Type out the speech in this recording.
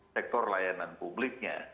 sektor layanan publiknya